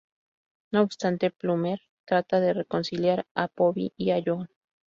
No obstante, Plummer trata de reconciliar a Phoebe y a John.